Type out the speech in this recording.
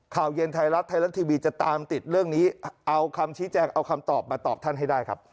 ข่าวเย็นไทยรัฐไทยรัฐทีวีจะตามติดเรื่องนี้เอาคำชี้แจงเอาคำตอบมาตอบท่านให้ได้ครับ